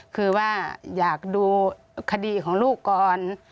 คือว่าอยากดูคดีของลูกก่อน